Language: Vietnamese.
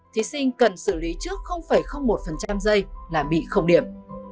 thí sinh cần xử lý trước một giây là bị điểm